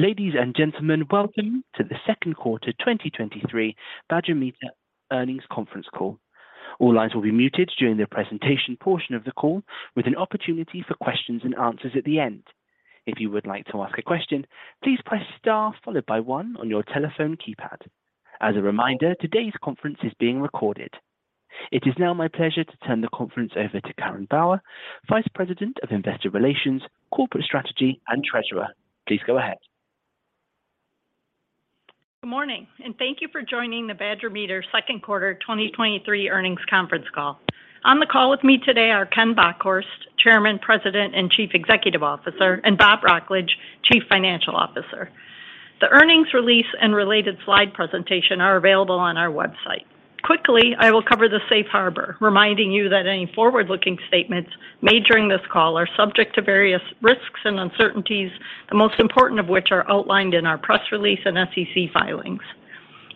Ladies and gentlemen, welcome to the Q2 2023 Badger Meter Earnings Conference Call. All lines will be muted during the presentation portion of the call, with an opportunity for questions and answers at the end. If you would like to ask a question, please press Star followed by one on your telephone keypad. As a reminder, today's conference is being recorded. It is now my pleasure to turn the conference over to Karen Bauer, Vice President of Investor Relations, Corporate Strategy, and Treasurer. Please go ahead. Good morning. Thank you for joining the Badger Meter Q2 2023 earnings conference call. On the call with me today are Ken Bockhorst, Chairman, President, and Chief Executive Officer, and Bob Wrocklage, Chief Financial Officer. The earnings release and related slide presentation are available on our website. Quickly, I will cover the safe harbor, reminding you that any forward-looking statements made during this call are subject to various risks and uncertainties, the most important of which are outlined in our press release and SEC filings.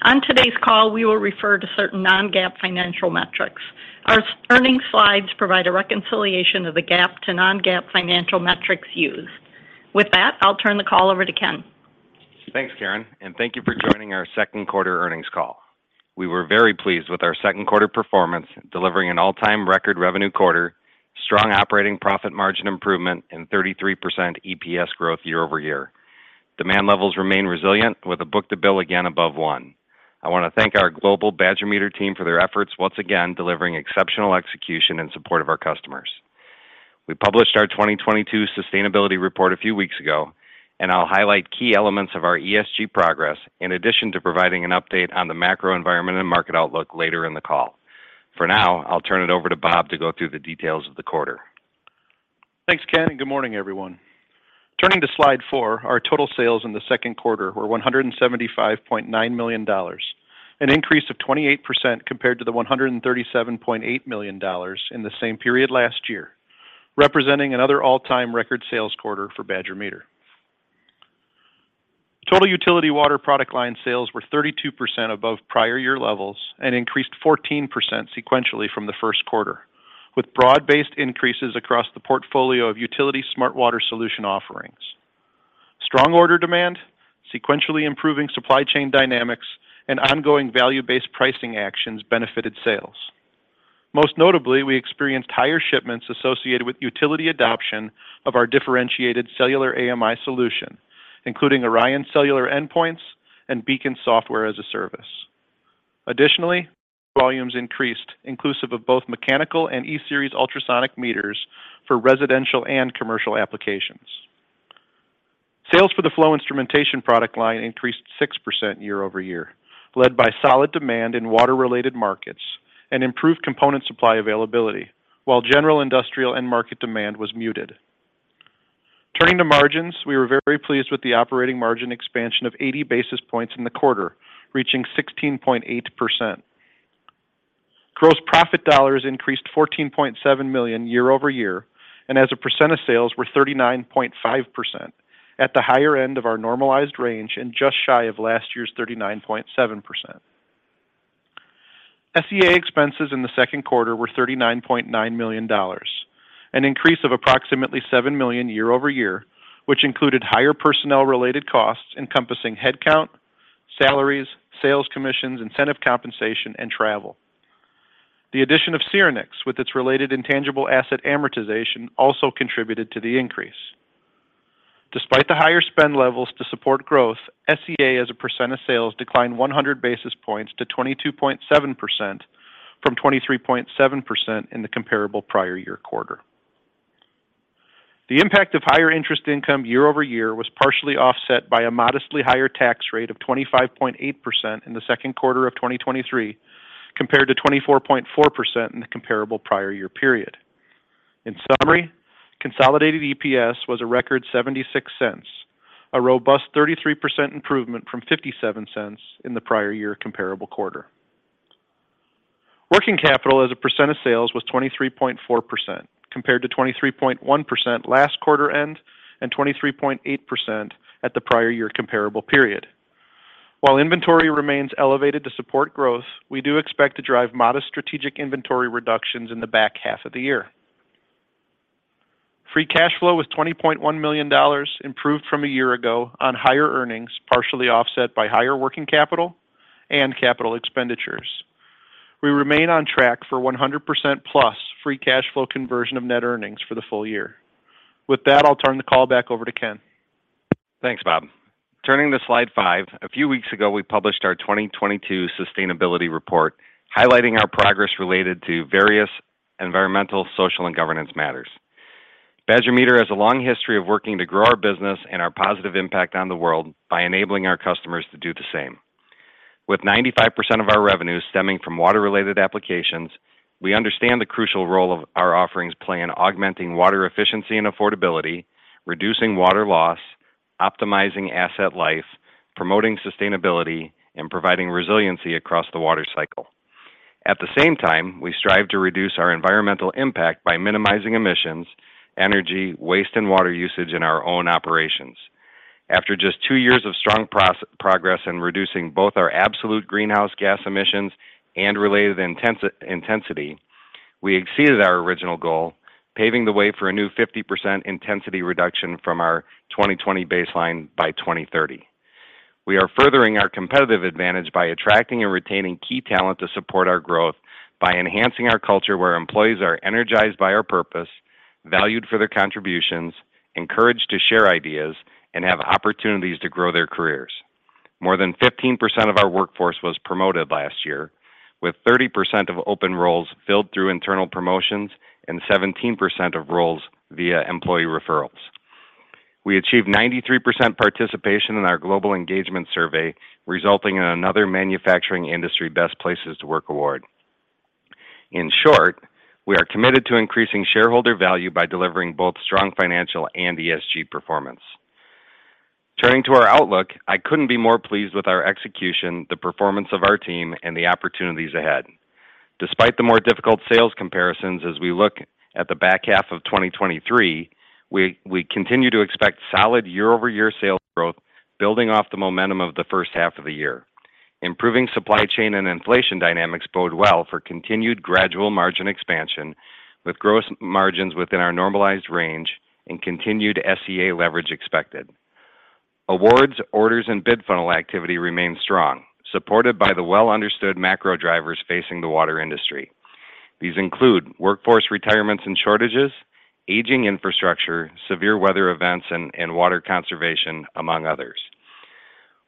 On today's call, we will refer to certain non-GAAP financial metrics. Our earnings slides provide a reconciliation of the GAAP to non-GAAP financial metrics used. With that, I'll turn the call over to Ken. Thanks, Karen, thank you for joining our Q2 earnings call. We were very pleased with our Q2 performance, delivering an all-time record revenue quarter, strong operating profit margin improvement, and 33% EPS growth year-over-year. Demand levels remain resilient, with a book-to-bill again above one. I want to thank our global Badger Meter team for their efforts, once again, delivering exceptional execution in support of our customers. We published our 2022 sustainability report a few weeks ago, I'll highlight key elements of our ESG progress, in addition to providing an update on the macro environment and market outlook later in the call. For now, I'll turn it over to Bob to go through the details of the quarter. Thanks, Ken. Good morning, everyone. Turning to slide four, our total sales in the Q2 were $175.9 million, an increase of 28% compared to the $137.8 million in the same period last year, representing another all-time record sales quarter for Badger Meter. Total utility water product line sales were 32% above prior year levels and increased 14% sequentially from the Q1, with broad-based increases across the portfolio of utility smart water solution offerings. Strong order demand, sequentially improving supply chain dynamics, and ongoing value-based pricing actions benefited sales. Most notably, we experienced higher shipments associated with utility adoption of our differentiated cellular AMI solution, including ORION Cellular endpoints and BEACON Software as a Service. Additionally, volumes increased, inclusive of both mechanical and E-Series ultrasonic meters for residential and commercial applications. Sales for the flow instrumentation product line increased 6% year-over-year, led by solid demand in water-related markets and improved component supply availability, while general industrial end market demand was muted. Turning to margins, we were very pleased with the operating margin expansion of 80 basis points in the quarter, reaching 16.8%. Gross profit dollars increased $14.7 million year-over-year, and as a percent of sales were 39.5%, at the higher end of our normalized range and just shy of last year's 39.7%. SEA expenses in the Q2 were $39.9 million, an increase of approximately $7 million year-over-year, which included higher personnel-related costs encompassing headcount, salaries, sales commissions, incentive compensation, and travel. The addition of Syrinix, with its related intangible asset amortization, also contributed to the increase. Despite the higher spend levels to support growth, SEA as a percent of sales declined 100 basis points to 22.7% from 23.7% in the comparable prior year quarter. The impact of higher interest income year-over-year was partially offset by a modestly higher tax rate of 25.8% in the Q2 of 2023, compared to 24.4% in the comparable prior year period. In summary, consolidated EPS was a record $0.76, a robust 33% improvement from $0.57 in the prior year comparable quarter. Working capital as a percent of sales was 23.4%, compared to 23.1% last quarter end and 23.8% at the prior year comparable period. While inventory remains elevated to support growth, we do expect to drive modest strategic inventory reductions in the back half of the year. Free cash flow was $20.1 million, improved from a year ago on higher earnings, partially offset by higher working capital and capital expenditures. We remain on track for 100%+ free cash flow conversion of net earnings for the full year. I'll turn the call back over to Ken. Thanks, Bob. Turning to slide five. A few weeks ago, we published our 2022 sustainability report, highlighting our progress related to various environmental, social, and governance matters. Badger Meter has a long history of working to grow our business and our positive impact on the world by enabling our customers to do the same. With 95% of our revenues stemming from water-related applications, we understand the crucial role of our offerings play in augmenting water efficiency and affordability, reducing water loss, optimizing asset life, promoting sustainability, and providing resiliency across the water cycle. At the same time, we strive to reduce our environmental impact by minimizing emissions, energy, waste, and water usage in our own operations. After just two years of strong progress in reducing both our absolute greenhouse gas emissions and related intensity,... We exceeded our original goal, paving the way for a new 50% intensity reduction from our 2020 baseline by 2030. We are furthering our competitive advantage by attracting and retaining key talent to support our growth by enhancing our culture, where employees are energized by our purpose, valued for their contributions, encouraged to share ideas, and have opportunities to grow their careers. More than 15% of our workforce was promoted last year, with 30% of open roles filled through internal promotions and 17% of roles via employee referrals. We achieved 93% participation in our global engagement survey, resulting in another manufacturing industry Best Places to Work award. In short, we are committed to increasing shareholder value by delivering both strong financial and ESG performance. Turning to our outlook, I couldn't be more pleased with our execution, the performance of our team, and the opportunities ahead. Despite the more difficult sales comparisons, as we look at the back half of 2023, we continue to expect solid year-over-year sales growth, building off the momentum of the first half of the year. Improving supply chain and inflation dynamics bode well for continued gradual margin expansion, with gross margins within our normalized range and continued SEA leverage expected. Awards, orders, and bid funnel activity remain strong, supported by the well-understood macro drivers facing the water industry. These include workforce retirements and shortages, aging infrastructure, severe weather events, and water conservation, among others.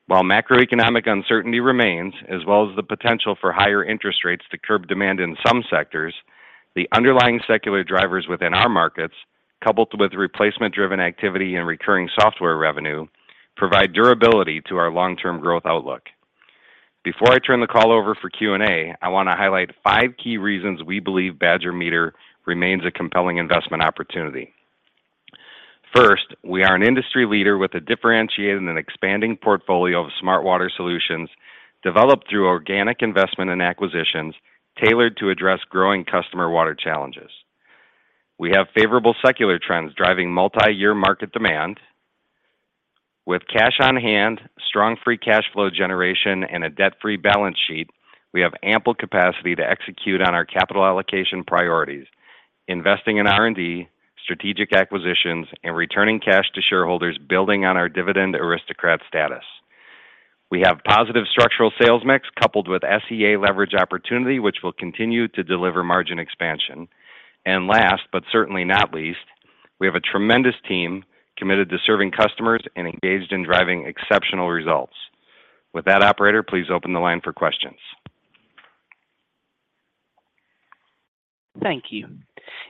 While macroeconomic uncertainty remains, as well as the potential for higher interest rates to curb demand in some sectors, the underlying secular drivers within our markets, coupled with replacement-driven activity and recurring software revenue, provide durability to our long-term growth outlook. Before I turn the call over for Q&A, I want to highlight five key reasons we believe Badger Meter remains a compelling investment opportunity. First, we are an industry leader with a differentiated and expanding portfolio of smart water solutions developed through organic investment and acquisitions, tailored to address growing customer water challenges. We have favorable secular trends driving multiyear market demand. With cash on hand, strong free cash flow generation, and a debt-free balance sheet, we have ample capacity to execute on our capital allocation priorities, investing in R&D, strategic acquisitions, and returning cash to shareholders, building on our dividend aristocrat status. We have positive structural sales mix coupled with SEA leverage opportunity, which will continue to deliver margin expansion. Last, but certainly not least, we have a tremendous team committed to serving customers and engaged in driving exceptional results. With that, operator, please open the line for questions. Thank you.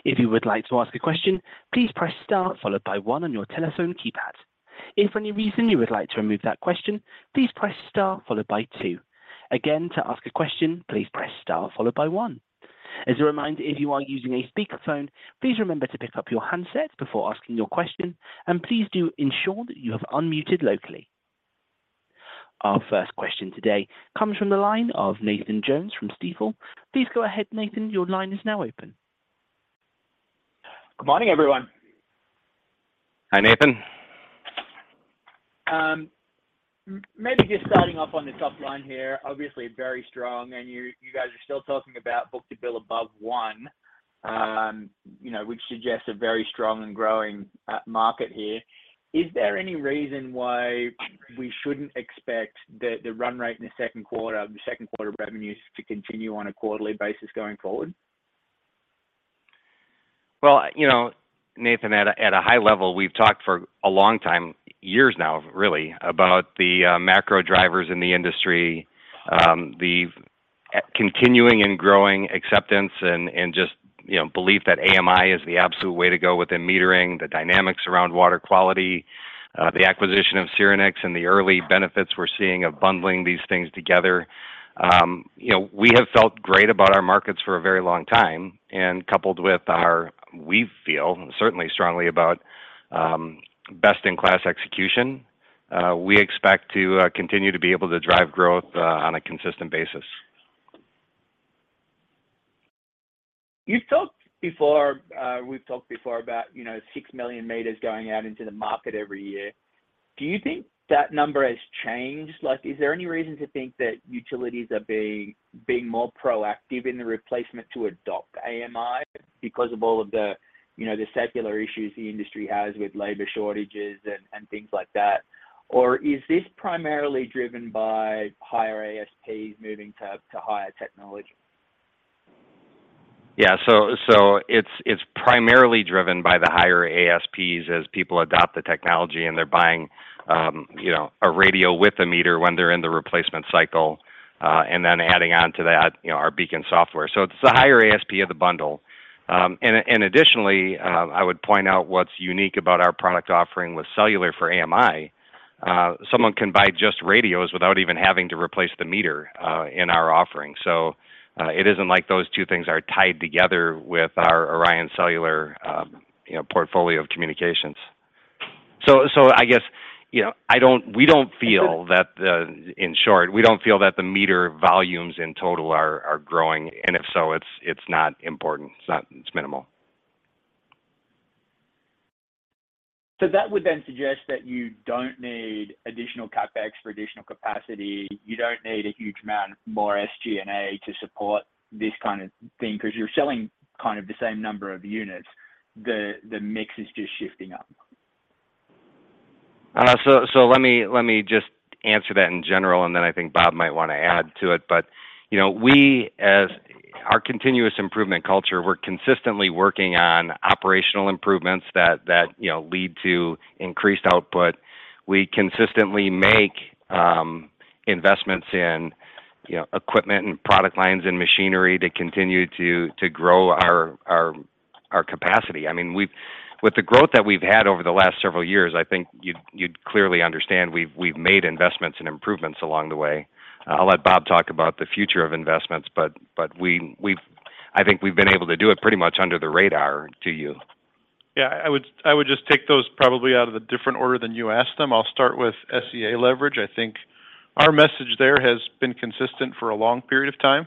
If you would like to ask a question, please press star followed by one on your telephone keypad. If for any reason you would like to remove that question, please press star followed by two. Again, to ask a question, please press star followed by one. As a reminder, if you are using a speakerphone, please remember to pick up your handset before asking your question, and please do ensure that you have unmuted locally. Our first question today comes from the line of Nathan Jones from Stifel. Please go ahead, Nathan, your line is now open. Good morning, everyone. Hi, Nathan. Maybe just starting off on the top line here, obviously very strong, you guys are still talking about book-to-bill above one, you know, which suggests a very strong and growing market here. Is there any reason why we shouldn't expect the run rate in the Q2 revenues to continue on a quarterly basis going forward? Well, you know, Nathan, at a high level, we've talked for a long time, years now, really, about the macro drivers in the industry, the continuing and growing acceptance and just, you know, belief that AMI is the absolute way to go within metering, the dynamics around water quality, the acquisition of Syrinix and the early benefits we're seeing of bundling these things together. You know, we have felt great about our markets for a very long time. We feel certainly strongly about best-in-class execution, we expect to continue to be able to drive growth on a consistent basis. You've talked before, we've talked before about, you know, 6 million meters going out into the market every year. Do you think that number has changed? Like, is there any reason to think that utilities are being more proactive in the replacement to adopt AMI because of all of the, you know, the secular issues the industry has with labor shortages and things like that? Or is this primarily driven by higher ASPs moving to higher technology? Yeah. It's primarily driven by the higher ASPs as people adopt the technology, and they're buying, you know, a radio with a meter when they're in the replacement cycle, then adding on to that, you know, our BEACON software. It's a higher ASP of the bundle. Additionally, I would point out what's unique about our product offering with cellular for AMI, someone can buy just radios without even having to replace the meter, in our offering. It isn't like those two things are tied together with our ORION Cellular, you know, portfolio of communications. I guess, you know, we don't feel that. In short, we don't feel that the meter volumes in total are growing, and if so, it's not important. It's minimal. That would then suggest that you don't need additional CapEx for additional capacity. You don't need a huge amount more SG&A to support this kind of thing, 'cause you're selling kind of the same number of units. The mix is just shifting up. Let me just answer that in general, and then I think Bob might want to add to it. You know, we as our continuous improvement culture, we're consistently working on operational improvements that, you know, lead to increased output. We consistently make investments in, you know, equipment and product lines and machinery to continue to grow our capacity. I mean, we've with the growth that we've had over the last several years, I think you'd clearly understand we've made investments and improvements along the way. I'll let Bob talk about the future of investments, but we've I think we've been able to do it pretty much under the radar to you. I would just take those probably out of a different order than you asked them. I'll start with SEA leverage. I think our message there has been consistent for a long period of time,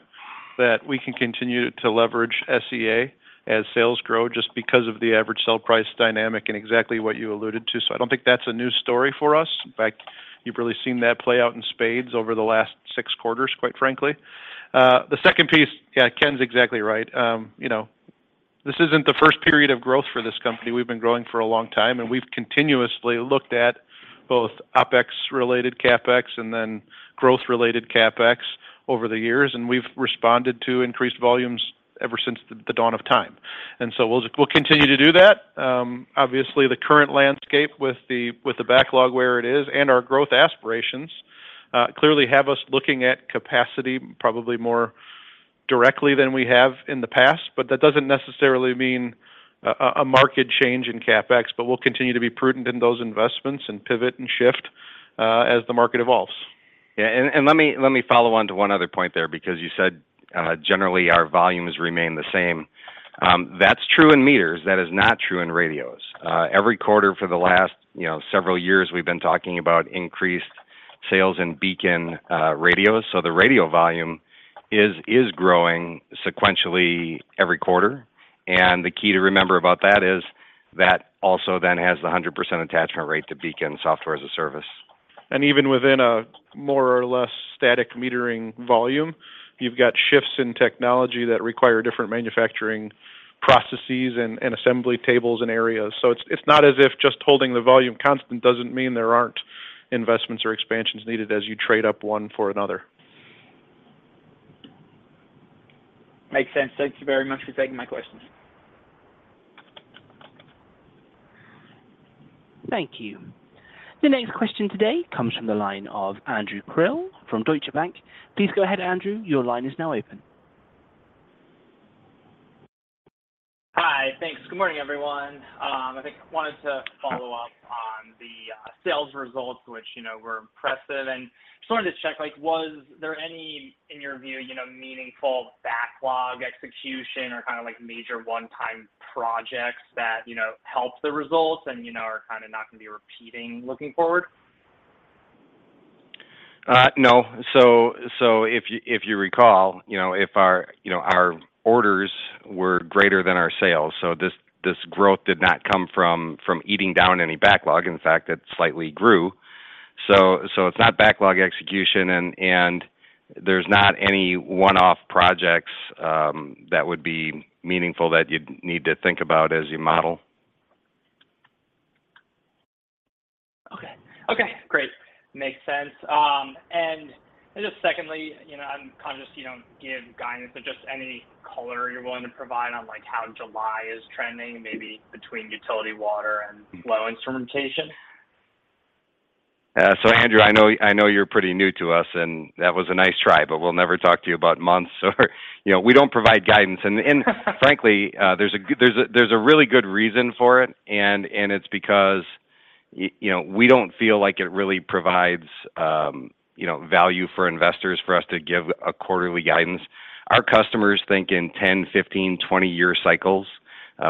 that we can continue to leverage SEA as sales grow, just because of the average sale price dynamic and exactly what you alluded to. I don't think that's a new story for us. In fact, you've really seen that play out in spades over the last six quarters, quite frankly. The second piece, Ken's exactly right. You know, this isn't the first period of growth for this company. We've been growing for a long time, and we've continuously looked at both OpEx-related CapEx and then growth-related CapEx over the years, and we've responded to increased volumes ever since the dawn of time. We'll continue to do that. Obviously, the current landscape with the backlog where it is, and our growth aspirations, clearly have us looking at capacity probably more directly than we have in the past, but that doesn't necessarily mean a market change in CapEx. We'll continue to be prudent in those investments and pivot and shift as the market evolves. Yeah, and let me, let me follow on to one other point there, because you said, generally, our volumes remain the same. That's true in meters. That is not true in radios. Every quarter for the last, you know, several years, we've been talking about increased sales in BEACON, radios. The radio volume is growing sequentially every quarter. The key to remember about that is, that also then has the 100% attachment rate to BEACON Software as a Service. Even within a more or less static metering volume, you've got shifts in technology that require different manufacturing processes and assembly tables and areas. It's not as if just holding the volume constant doesn't mean there aren't investments or expansions needed as you trade up one for another. Makes sense. Thank you very much for taking my questions. Thank you. The next question today comes from the line of Andrew Krill from Deutsche Bank. Please go ahead, Andrew. Your line is now open. Hi. Thanks. Good morning, everyone. I think I wanted to follow up on the sales results, which, you know, were impressive. Just wanted to check, like, was there any, in your view, you know, meaningful backlog execution or kind of like major one-time projects that, you know, helped the results and you know, are kind of not going to be repeating looking forward? No. If you recall, you know, if our, you know, our orders were greater than our sales, so this growth did not come from eating down any backlog. In fact, it slightly grew. It's not backlog execution, and there's not any one-off projects, that would be meaningful that you'd need to think about as you model. Okay. Okay, great. Makes sense. Just secondly, you know, I'm conscious you don't give guidance, but just any color you're willing to provide on, like, how July is trending, maybe between utility water and flow instrumentation? Andrew, I know you're pretty new to us, and that was a nice try, but we'll never talk to you about months or you know, we don't provide guidance. Frankly, there's a really good reason for it, and it's because you know, we don't feel like it really provides, you know, value for investors for us to give a quarterly guidance. Our customers think in 10, 15, 20-year cycles.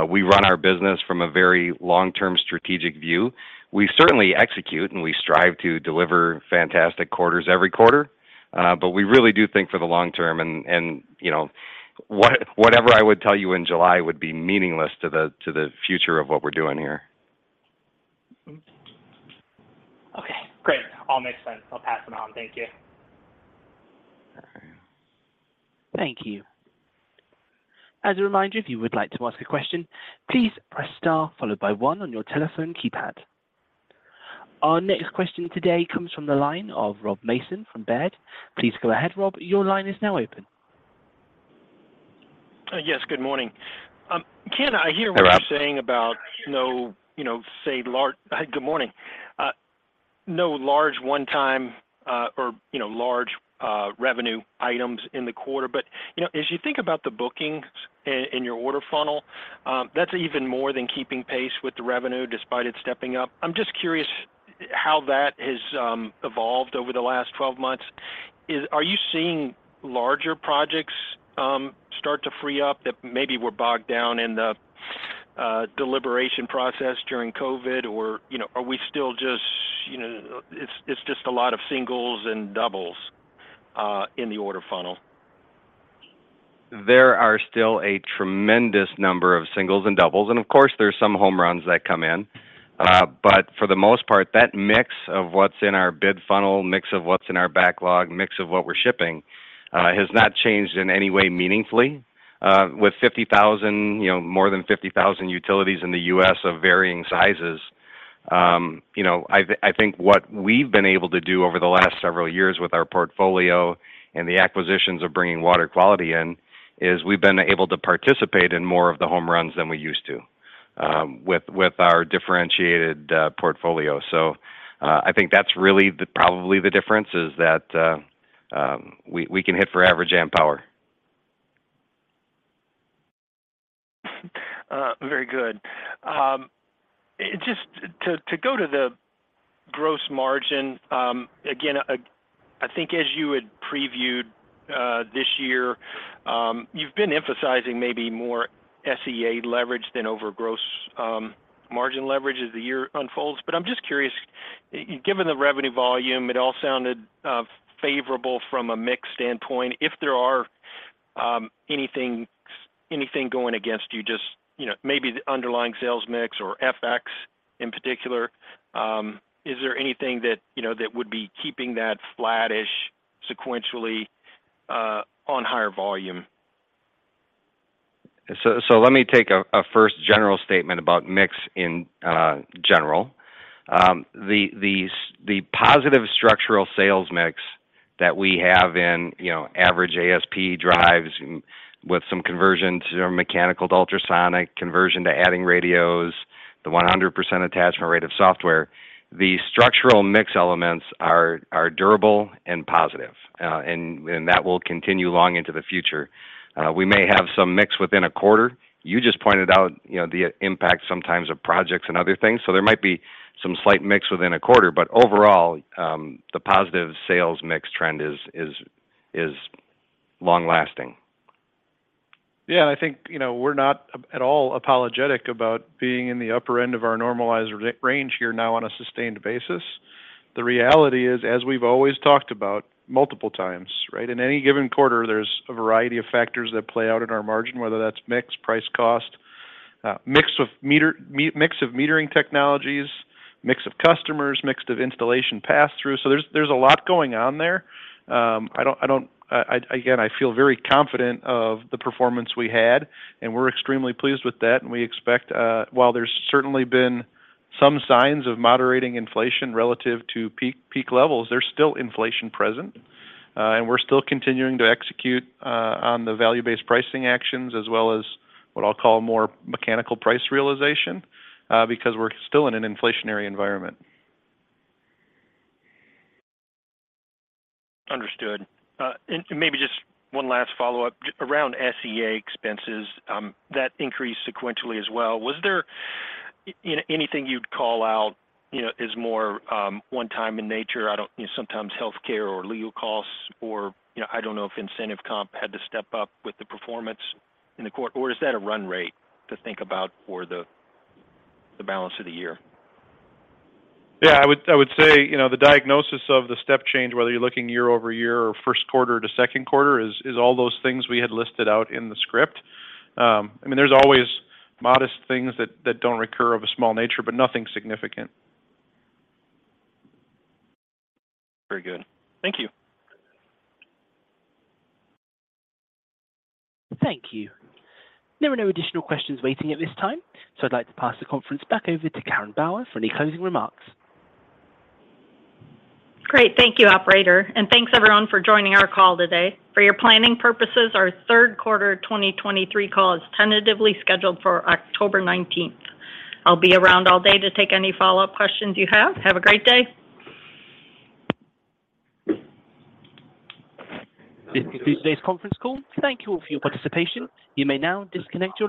We run our business from a very long-term strategic view. We certainly execute, and we strive to deliver fantastic quarters every quarter, but we really do think for the long term. You know, whatever I would tell you in July would be meaningless to the future of what we're doing here. Okay, great. All makes sense. I'll pass them on. Thank you. Thank you. As a reminder, if you would like to ask a question, please press star followed by one on your telephone keypad. Our next question today comes from the line of Rob Mason from Baird. Please go ahead, Rob. Your line is now open. Yes, good morning. Ken, Hey, Rob.... what you're saying about no, you know, say large. Good morning. No large one time, or, you know, large revenue items in the quarter. You know, as you think about the bookings in your order funnel, that's even more than keeping pace with the revenue, despite it stepping up. I'm just curious how that has evolved over the last 12 months. Are you seeing larger projects start to free up that maybe were bogged down in the deliberation process during COVID? Or, you know, are we still just, you know, it's just a lot of singles and doubles in the order funnel? There are still a tremendous number of singles and doubles, and of course, there's some home runs that come in. For the most part, that mix of what's in our bid funnel, mix of what's in our backlog, mix of what we're shipping, has not changed in any way meaningfully. With 50,000, you know, more than 50,000 utilities in the U.S. of varying sizes, you know, I think what we've been able to do over the last several years with our portfolio and the acquisitions of bringing water quality in, is we've been able to participate in more of the home runs than we used to, with our differentiated portfolio. I think that's really the probably the difference, is that we can hit for average and power. Very good. It just, to go to the gross margin, again, I think as you had previewed, this year, you've been emphasizing maybe more SEA leverage than over gross margin leverage as the year unfolds. I'm just curious, given the revenue volume, it all sounded favorable from a mix standpoint. If there are anything going against you, just, you know, maybe the underlying sales mix or FX in particular, is there anything that, you know, that would be keeping that flattish sequentially on higher volume? Let me take a first general statement about mix in general. The positive structural sales mix that we have in, you know, average ASP drives with some conversion to mechanical to ultrasonic, conversion to adding radios, the 100% attachment rate of software, the structural mix elements are durable and positive, and that will continue long into the future. We may have some mix within a quarter. You just pointed out, you know, the impact sometimes of projects and other things, so there might be some slight mix within a quarter, but overall, the positive sales mix trend is long-lasting. Yeah, I think, you know, we're not at all apologetic about being in the upper end of our normalized range here now on a sustained basis. The reality is, as we've always talked about multiple times, right? In any given quarter, there's a variety of factors that play out in our margin, whether that's mix, price, cost, mix of metering technologies, mix of customers, mix of installation pass-through. There's a lot going on there. I again, I feel very confident of the performance we had, and we're extremely pleased with that, and we expect, while there's certainly been some signs of moderating inflation relative to peak levels, there's still inflation present, and we're still continuing to execute on the value-based pricing actions, as well as what I'll call more mechanical price realization, because we're still in an inflationary environment. Understood. Maybe just one last follow-up. Around SEA expenses, that increased sequentially as well. Was there anything you'd call out, you know, as more, one time in nature? I don't... You know, sometimes healthcare or legal costs or, you know, I don't know if incentive comp had to step up with the performance in the quarter, or is that a run rate to think about for the balance of the year? I would say, you know, the diagnosis of the step change, whether you're looking year-over-year or Q1 to Q2, is all those things we had listed out in the script. I mean, there's always modest things that don't recur of a small nature, but nothing significant. Very good. Thank you. Thank you. There are no additional questions waiting at this time, so I'd like to pass the conference back over to Karen Bauer for any closing remarks. Great. Thank you, operator. Thanks everyone for joining our call today. For your planning purposes, our Q3 2023 call is tentatively scheduled for October 19th. I'll be around all day to take any follow-up questions you have. Have a great day. This concludes today's conference call. Thank you all for your participation. You may now disconnect your lines.